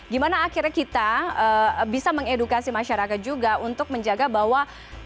gimana akhirnya kita bisa mengedukasi masyarakat juga untuk menjaga bahwa